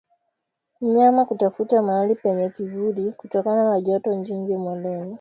Mnyama kutafuta mahali penye kivuli kutokana na joto jingi mwilini